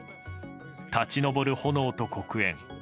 立ち上る炎と黒煙。